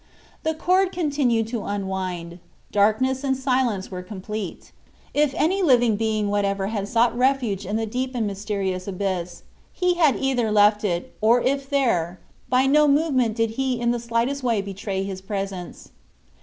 The cord continued to unwind. Darkness and silence were complete. If any living being whatever had sought refuge in the deep and mysterious abyss, he had either left it, or, if there, by no movement did he in the slightest way betray his presence.